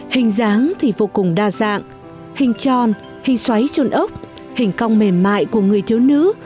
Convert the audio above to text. hình dáng thì vô cùng đa dạng hình tròn hình xoáy trôn ốc hình cong mềm mại của người thiếu nữ